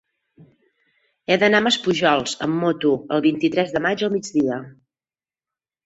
He d'anar a Maspujols amb moto el vint-i-tres de maig al migdia.